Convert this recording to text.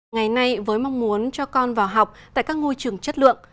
ngày nay với mong muốn cho con vào học tại các ngôi trường chất lượng